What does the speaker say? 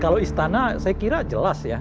kalau istana saya kira jelas ya